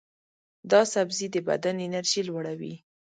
دا سبزی د بدن انرژي لوړوي.